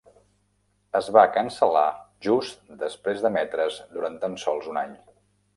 Es va cancel·lar just després d'emetre's durant tan sols un any.